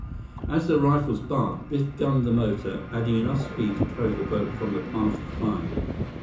As the rifles barked, Biff gunned the motor, adding enough speed to carry the boat from the path of fire.